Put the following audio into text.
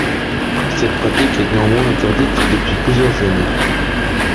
Cette pratique est néanmoins interdite depuis plusieurs années.